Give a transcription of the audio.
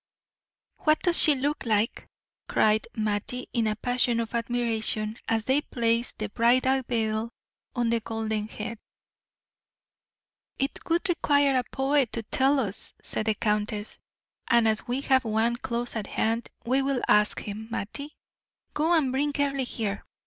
"What does she look like?" cried Mattie in a passion of admiration, as they placed the bridal veil on the golden head. "It would require a poet to tell us," said the countess; "and as we have one close at hand, we will ask him. Mattie, go and bring Earle here.